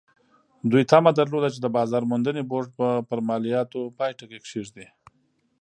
دوی تمه درلوده چې د بازار موندنې بورډ به پر مالیاتو پای ټکی کېږدي.